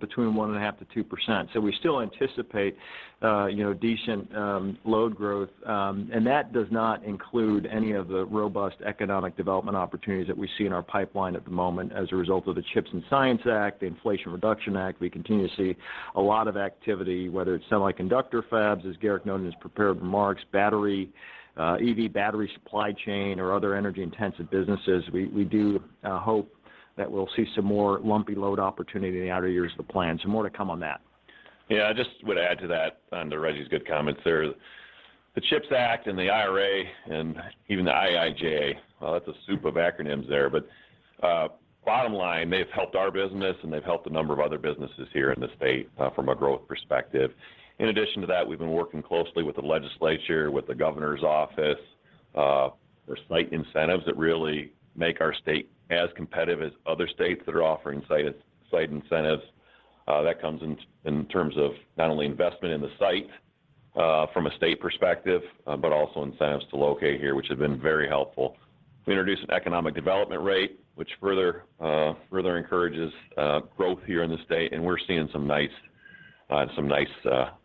between 1.5%-2%. We still anticipate, you know, decent load growth. That does not include any of the robust economic development opportunities that we see in our pipeline at the moment as a result of the CHIPS and Science Act, the Inflation Reduction Act. We continue to see a lot of activity, whether it's semiconductor fabs, as Garrick noted in his prepared remarks, battery, EV battery supply chain or other energy-intensive businesses. We do hope that we'll see some more lumpy load opportunity in the outer years of the plan. Some more to come on that. Yeah. I just would add to that, under Rejji's good comments there. The CHIPS Act and the IRA and even the IIJA, well, that's a soup of acronyms there. bottom line, they've helped our business and they've helped a number of other businesses here in the state, from a growth perspective. In addition to that, we've been working closely with the legislature, with the governor's office, for site incentives that really make our state as competitive as other states that are offering site incentives. that comes in terms of not only investment in the site, from a state perspective, but also incentives to locate here, which have been very helpful. We introduced an economic development rate, which further encourages, growth here in the state, and we're seeing some nice- On some nice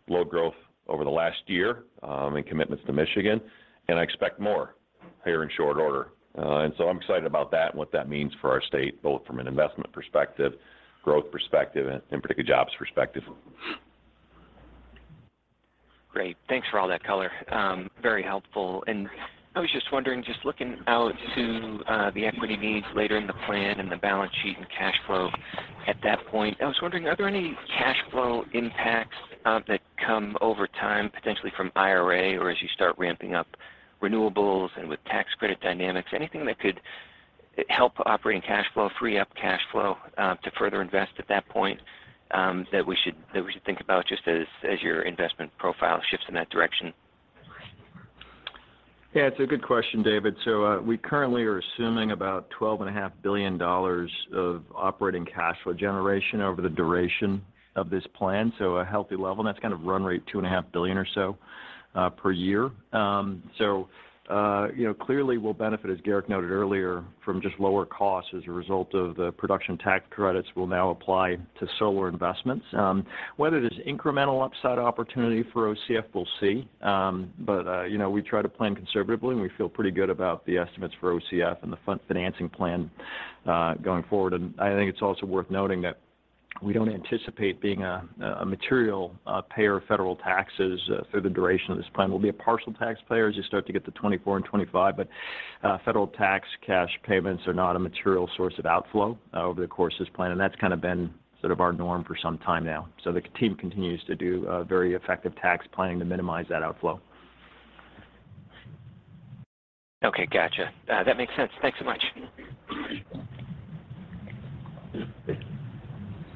load growth over the last year, and commitments to Michigan, and I expect more here in short order. I'm excited about that and what that means for our state, both from an investment perspective, growth perspective, and in particular, jobs perspective. Great. Thanks for all that color. Very helpful. I was just wondering, just looking out to the equity needs later in the plan and the balance sheet and cash flow at that point, I was wondering, are there any cash flow impacts that come over time, potentially from IRA or as you start ramping up renewables and with tax credit dynamics? Anything that could help operating cash flow, free up cash flow, to further invest at that point, that we should think about just as your investment profile shifts in that direction? Yeah, it's a good question, David. We currently are assuming about twelve and a half billion dollars of operating cash flow generation over the duration of this plan. A healthy level, and that's kind of run rate two and a half billion dollars or so per year. You know, clearly we'll benefit, as Garrick noted earlier, from just lower costs as a result of the production tax credits will now apply to solar investments. Whether there's incremental upside opportunity for OCF, we'll see. You know, we try to plan conservatively, and we feel pretty good about the estimates for OCF and the fund financing plan going forward. I think it's also worth noting that we don't anticipate being a material payer of federal taxes through the duration of this plan. We'll be a partial tax payer as you start to get to 2024 and 2025, but federal tax cash payments are not a material source of outflow over the course of this plan. That's kind of been sort of our norm for some time now. The team continues to do very effective tax planning to minimize that outflow. Okay. Gotcha. That makes sense. Thanks so much.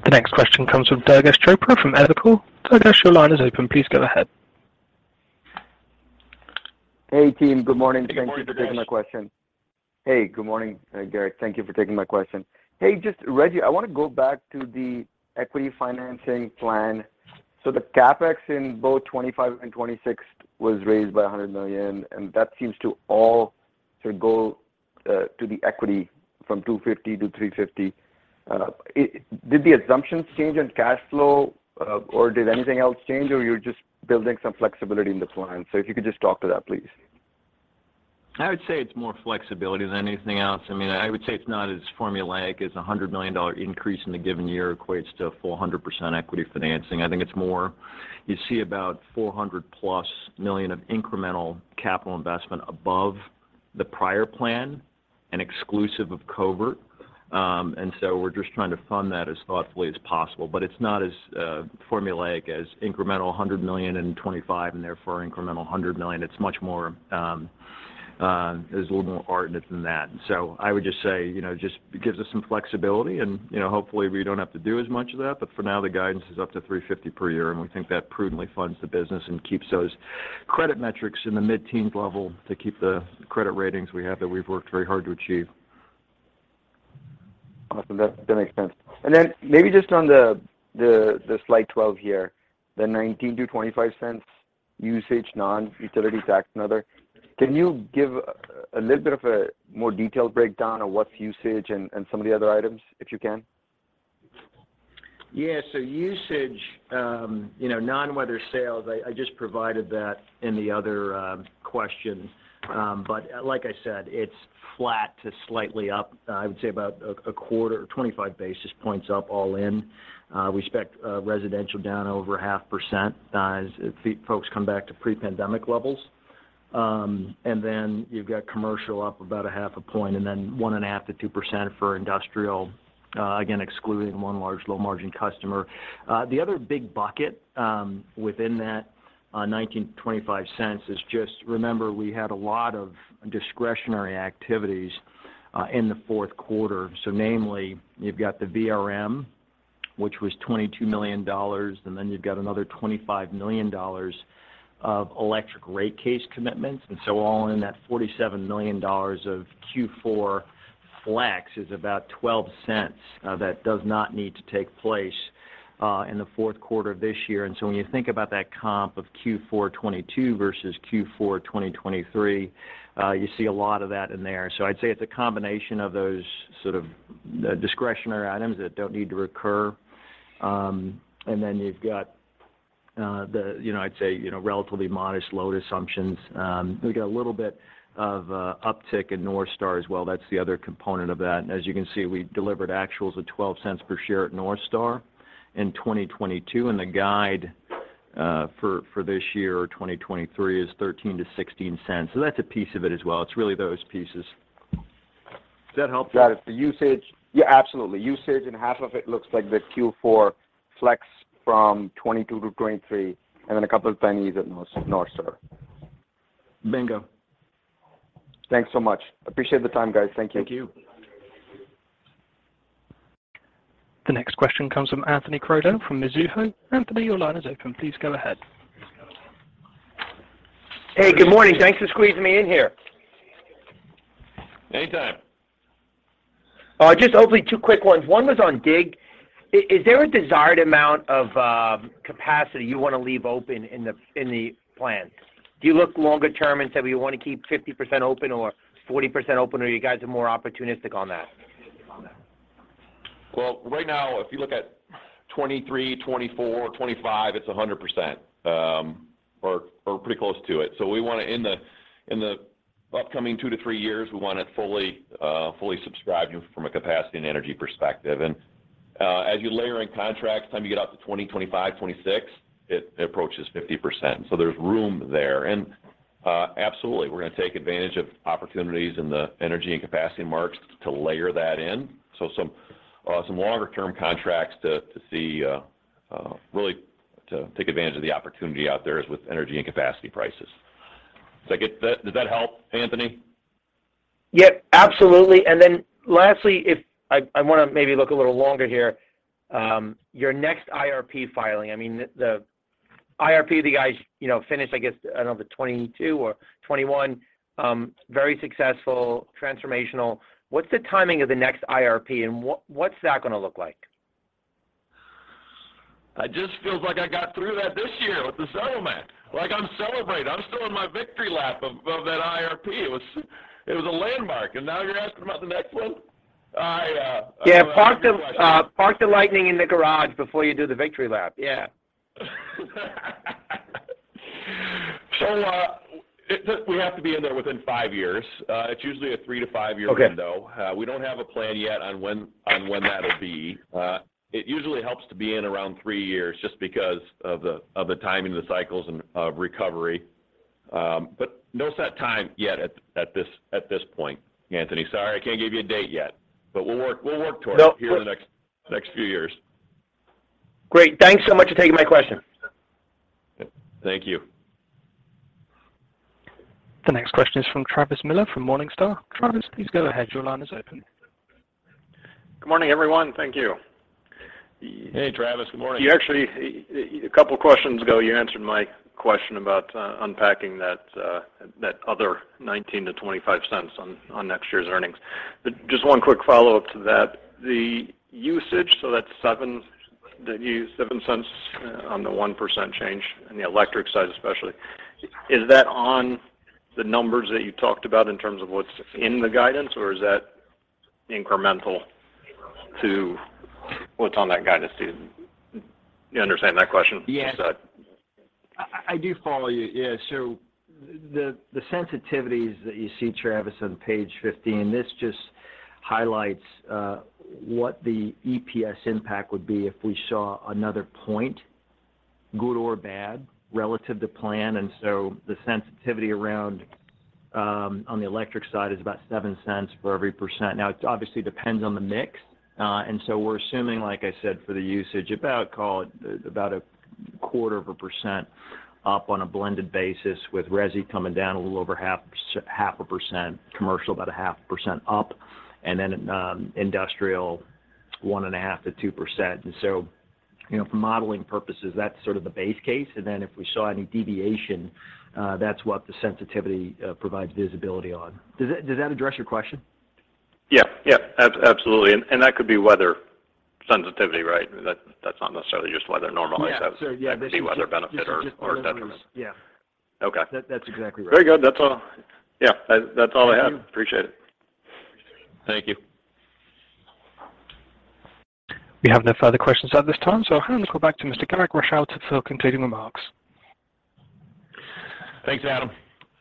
The next question comes from Durgesh Chopra from Evercore. Durgesh, your line is open. Please go ahead. Hey, team. Good morning. Good morning, Durgesh. Thank you for taking my question. Good morning, Garrick. Thank you for taking my question. Just Rejji, I want to go back to the equity financing plan. The CapEx in both 25 and 26 was raised by $100 million, and that seems to all sort of go to the equity from $250 to $350. Did the assumptions change on cash flow, or did anything else change, or you're just building some flexibility in the plan? If you could just talk to that, please. I would say it's more flexibility than anything else. I mean, I would say it's not as formulaic as a $100 million increase in a given year equates to full 100% equity financing. I think it's more you see about $400+ million of incremental capital investment above the prior plan and exclusive of Covert. We're just trying to fund that as thoughtfully as possible. It's not as formulaic as incremental $100 million in 2025 and therefore incremental $100 million. It's much more, there's a little more art in it than that. I would just say, you know, just it gives us some flexibility and, you know, hopefully we don't have to do as much of that. For now, the guidance is up to $350 per year, and we think that prudently funds the business and keeps those credit metrics in the mid-teen level to keep the credit ratings we have that we've worked very hard to achieve. Awesome. That makes sense. Maybe just on the slide 12 here, the $0.19-$0.25 usage, non-utility tax and other. Can you give a little bit of a more detailed breakdown on what's usage and some of the other items, if you can? Usage, you know, non-weather sales, I just provided that in the other question. Like I said, it's flat to slightly up. I would say about a quarter or 25 basis points up all in. We expect residential down over 0.5%, as folks come back to pre-pandemic levels. Then you've got commercial up about a 0.5 point and then 1.5%-2% for industrial, again, excluding 1 large low margin customer. The other big bucket within that $0.19-$0.25 is just remember, we had a lot of discretionary activities in the fourth quarter. Namely, you've got the VRM, which was $22 million, and then you've got another $25 million of electric rate case commitments. All in that $47 million of Q4 flex is about $0.12, that does not need to take place in the fourth quarter this year. When you think about that comp of Q4 2022 versus Q4 2023, you see a lot of that in there. I'd say it's a combination of those sort of discretionary items that don't need to recur. Then you've got, you know, I'd say, you know, relatively modest load assumptions. We've got a little bit of uptick in NorthStar as well. That's the other component of that. As you can see, we delivered actuals of $0.12 per share at NorthStar in 2022. The guide for this year, 2023, is $0.13-$0.16. That's a piece of it as well. It's really those pieces. Does that help? Got it. The usage. Yeah, absolutely. Usage, and half of it looks like the Q4 flex from 2022 to 2023, and then a couple pennies at NorthStar. Bingo. Thanks so much. Appreciate the time, guys. Thank you. Thank you. The next question comes from Anthony Crowdell from Mizuho. Anthony, your line is open. Please go ahead. Hey, good morning. Thanks for squeezing me in here. Anytime. Just hopefully two quick ones. One was on DIG. Is there a desired amount of capacity you want to leave open in the plan? Do you look longer term and say we want to keep 50% open or 40% open, or you guys are more opportunistic on that? Right now, if you look at 2023, 2024, 2025, it's 100%, or pretty close to it. We wanna, in the upcoming two-three years, we want it fully subscribed from a capacity and energy perspective. As you layer in contracts, time you get out to 2025, 2026, it approaches 50%. There's room there. Absolutely, we're gonna take advantage of opportunities in the energy and capacity markets to layer that in. Some, some longer term contracts to see, really to take advantage of the opportunity out there as with energy and capacity prices. Does that help, Anthony? Yep, absolutely. Lastly, I want to maybe look a little longer here. Your next IRP filing, I mean, the IRP that you guys, you know, finished, I guess, I don't know, the 2022 or 2021, very successful, transformational. What's the timing of the next IRP and what's that gonna look like? It just feels like I got through that this year with the settlement. Like I'm celebrating. I'm still in my victory lap of that IRP. It was a landmark. Now you're asking about the next one? Yeah. Good question. Park the park the Lightning in the garage before you do the victory lap. Yeah. We have to be in there within five years. It's usually a three-five year window. Okay. We don't have a plan yet on when that'll be. It usually helps to be in around three years just because of the timing of the cycles and, of recovery. No set time yet at this point, Anthony. Sorry, I can't give you a date yet, but we'll work towards it. No. here in the next few years. Great. Thanks so much for taking my question. Thank you. The next question is from Travis Miller from Morningstar. Travis, please go ahead. Your line is open. Good morning, everyone. Thank you. Hey, Travis. Good morning. You actually, a couple of questions ago, you answered my question about unpacking that other $0.19-$0.25 on next year's earnings. Just one quick follow-up to that. The usage, so that's 7, the $0.07 on the 1% change in the electric side especially. Is that on the numbers that you talked about in terms of what's in the guidance, or is that incremental to what's on that guidance too? You understand that question? Yes. Just that. I do follow you. Yeah. The sensitivities that you see, Travis, on page 15, this just highlights what the EPS impact would be if we saw another point, good or bad, relative to plan. The sensitivity on the electric side is about $0.07 for every %. We're assuming, like I said, for the usage about, call it about 0.25% up on a blended basis with resi coming down a little over 0.5%, commercial about 0.5% up, and then industrial 1.5%-2%. You know, for modeling purposes, that's sort of the base case. Then if we saw any deviation, that's what the sensitivity provides visibility on. Does that address your question? Yeah. Yeah, absolutely. That could be weather sensitivity, right? That's not necessarily just weather normalized. Yeah. Yeah. That could be weather benefit or detriment. This is just weather. Yeah. Okay. That's exactly right. Very good. That's all. Yeah, that's all I had. Appreciate it. Thank you. We have no further questions at this time. I'll hand it back to Mr. Garrick Rochow for concluding remarks. Thanks, Adam.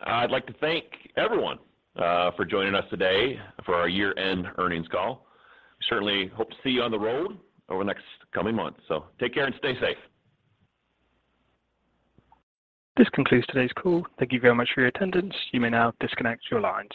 I'd like to thank everyone for joining us today for our year-end earnings call. Certainly hope to see you on the road over the next coming months. Take care and stay safe. This concludes today's call. Thank you very much for your attendance. You may now disconnect your lines.